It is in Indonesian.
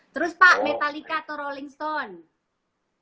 terus pak metallica atau rolling stone